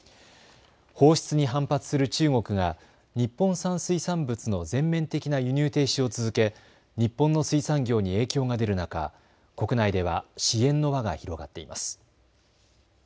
放出に反発する中国が日本産水産物の全面的な輸入停止を続け日本の水産業に影響が出る中、国内では支援の輪が広がっています。